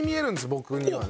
僕にはね。